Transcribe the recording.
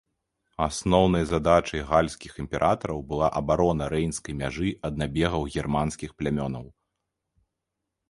Асноўнай задачай гальскіх імператараў была абарона рэйнскай мяжы ад набегаў германскіх плямёнаў.